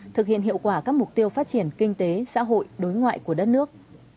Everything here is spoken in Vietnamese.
thực hiện hiệu quả các mục tiêu phát triển kinh tế xã hội đối ngoại của đất nước